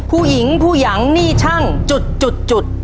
ผู้หญิงผู้หยังหนี้ช่างจุด